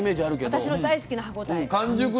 私の大好きな歯応え。